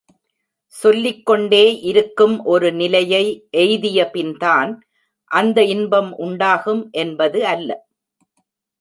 சொல்லிக்கொண்டே இருக்கும் ஒரு நிலையை எய்திய பின்தான் அந்த இன்பம் உண்டாகும் என்பது அல்ல.